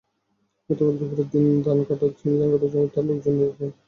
গতকাল দুপুরে তিনি ধান কাটার জন্য তাঁর লোকজন নিয়ে সেখানে যান।